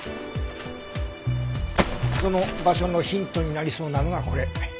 その場所のヒントになりそうなのがこれ。